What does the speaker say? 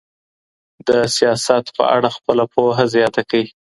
د سياست په اړه خپله پوهه زياته کړئ.